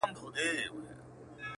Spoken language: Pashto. کوم ظالم چي مي غمی را څه پټ کړی,